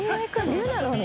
冬なのに。